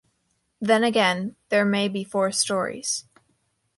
Then again, there may be four stories.